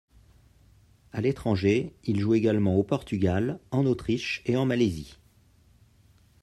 À l'étranger, il joue également au Portugal, en Autriche et en Malaisie.